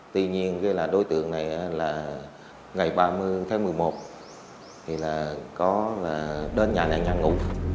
tuy nhiên đối tượng này là ngày ba mươi tháng một mươi một thì là có đơn nhà nạn nhân ngủ